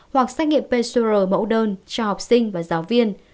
hoặc xét nghiệm pcr mẫu đơn cho học sinh và giáo viên